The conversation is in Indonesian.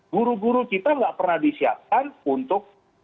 guru guru kita nggak pernah disiapkan untuk